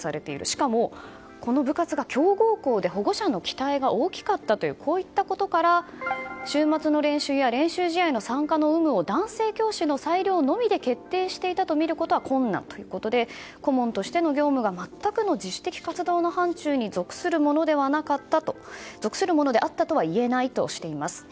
しかも、この部活が強豪校で保護者の期待が大きかったということから週末の練習や練習試合の参加の有無を男性教師の裁量のみで決定していたとみることは困難ということで顧問としての業務が全くの自主的活動の範疇に属するものであったとはいえないとしています。